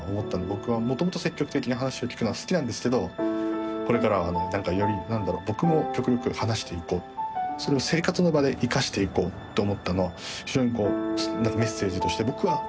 僕はもともと積極的に話を聞くのは好きなんですけどこれからは何かより何だろ僕も極力話していこうそれを生活の場で生かしていこうと思ったのは非常にこうメッセージとして僕は勝手に受け取りました